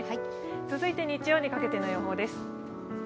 続いて日曜にかけての予報です。